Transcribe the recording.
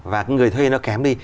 và người thuê nó kém đi